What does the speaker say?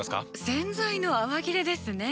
洗剤の泡切れですね。